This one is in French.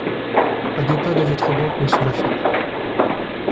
A deux pas de votre banque, Monsieur Laffitte.